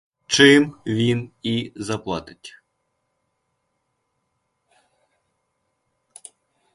Чим він і заплатить?